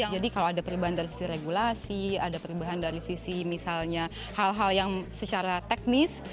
jadi kalau ada perubahan dari sisi regulasi ada perubahan dari sisi misalnya hal hal yang secara teknis